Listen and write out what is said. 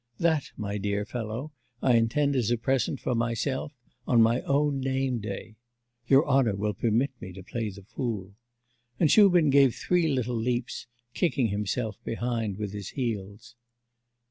That, my dear fellow, I intend as a present for myself on my own name day.... Your honour will permit me to play the fool.' And Shubin gave three little leaps, kicking himself behind with his heels.